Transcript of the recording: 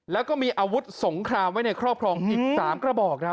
แล้วก็มีอาวุธสงครามไว้ในครอบครองอีก๓กระบอกครับ